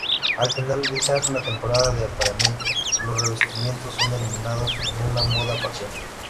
Al finalizar la temporada de apareamiento, los revestimientos son eliminados en una muda parcial.